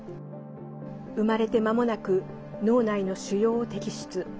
生まれてまもなく脳内の腫瘍を摘出。